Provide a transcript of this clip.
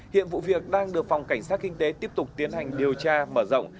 hiện vụ việc đang được phòng cảnh sát kinh tế tiếp tục tiến hành điều tra mở rộng